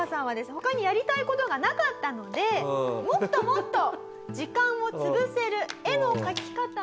他にやりたい事がなかったのでもっともっと時間を潰せる絵の描き方を模索していきます。